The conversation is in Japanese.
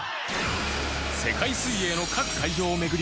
世界水泳の各会場を巡り